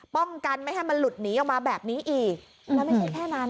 ป้องกันไม่ให้มันหลุดหนีออกมาแบบนี้อีกแล้วไม่ใช่แค่นั้น